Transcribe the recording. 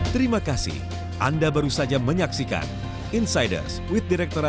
terima kasih dan sampai jumpa